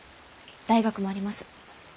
大学もあります。